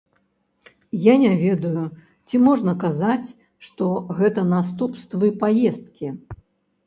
Я не ведаю, ці можна казаць, што гэта наступствы паездкі?